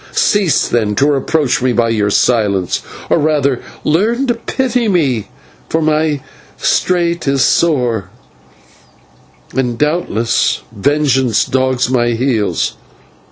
Cease, then, to reproach me by your silence; or, rather, learn to pity me, for my strait is sore, and doubtless vengeance dogs my heels.